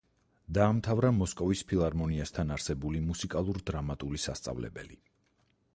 დაამთავრა მოსკოვის ფილარმონიასთან არსებული მუსიკალურ-დრამატული სასწავლებელი.